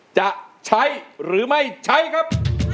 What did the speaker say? จะใช้หรือไม่ใช้ครับ